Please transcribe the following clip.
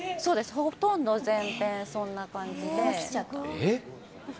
ほとんど全編そんな感じで。